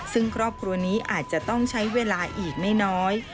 ซึ่งครอบครัวนี้อาจจะต้องใช้เวลาอีกไม่น้อย